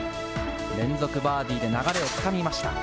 連続バーディーで流れをつかみました。